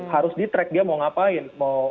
harus di track dia mau ngapain